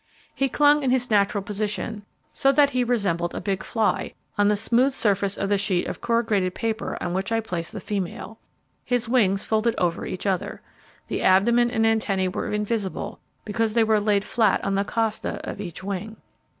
He clung in his natural position, so that he resembled a big fly, on the smooth side of the sheet of corrugated paper on which I placed the female. His wings folded over each other. The abdomen and the antennae were invisible, because they were laid flat on the costa of each wing.